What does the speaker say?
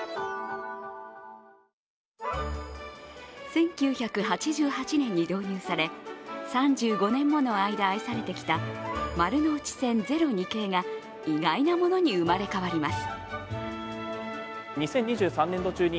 １９８８年に導入され３５年もの間愛されてきた、丸ノ内線０２系が意外なものに生まれ変わります。